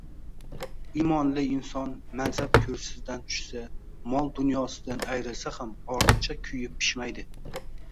Imonli inson mansab kursisidan tushsa, mol-dunyosidan ayrilsa ham ortiqcha kuyib-pishmaydi